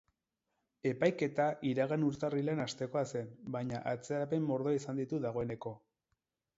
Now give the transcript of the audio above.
Epaiketa iragan urtarrilean hastekoa zen, baina atzerapen mordoa izan ditu dagoeneko.